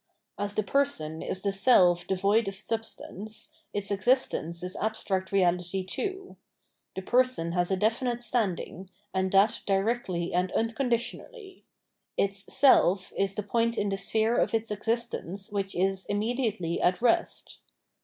As the person is the self devoid of substance, its exist ence is abstract reality too. The person has a definite standing, and that directly and unconditionally : its self is the point in the sphere of its existence which is immediately at rest.